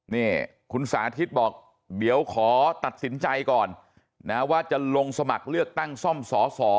นี่คุณสาธิตบอกเดี๋ยวขอตัดสินใจก่อนนะว่าจะลงสมัครเลือกตั้งซ่อมสอสอ